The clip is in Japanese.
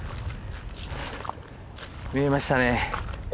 見えましたね。